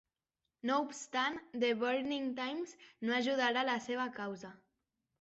No obstant, "The Burning Times" no ajudarà la seva causa.